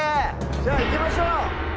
じゃあ行きましょう！